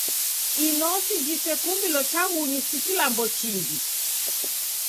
Inosi jisekumbilo chaghunyi si kilambo chingi.